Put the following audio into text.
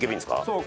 そう。